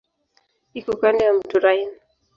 Iko kando ya mto Rhine.